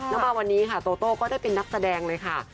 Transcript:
แล้วมาวันนี้ค่ะโตโต้ก็ได้เป็นนักแสดงเลยค่ะ